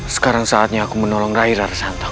sekarang saatnya aku menolong raila merfuntung